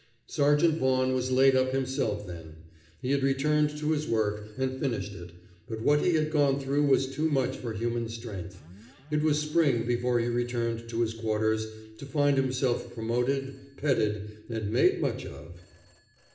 Sergeant Vaughan was laid up himself then. He had returned to his work, and finished it; but what he had gone through was too much for human strength. It was spring before he returned to his quarters, to find himself promoted, petted, and made much of.